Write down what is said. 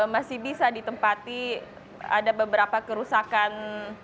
masih bisa ditempati ada beberapa kerusakan